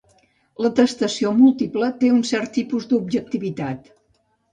L'atestació múltiple té un cert tipus d'objectivitat.